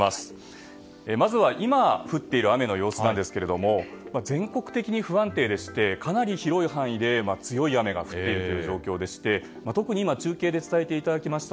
まずは今降っている雨の様子ですが全国的に不安定でしてかなり広い範囲で強い雨が降っているという状況でして特に今中継で伝えていただきました